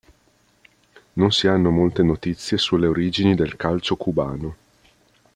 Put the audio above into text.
Non si hanno molte notizie sulle origini del calcio cubano.